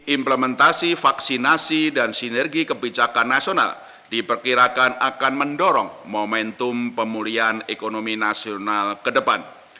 implementasi vaksinasi dan sinergi kebijakan nasional diperkirakan akan mendorong momentum pemulihan ekonomi nasional ke depan